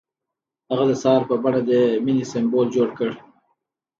هغه د سهار په بڼه د مینې سمبول جوړ کړ.